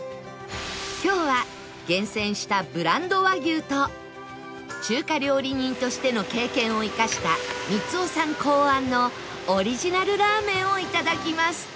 今日は厳選したブランド和牛と中華料理人としての経験を生かした光雄さん考案のオリジナルラーメンをいただきます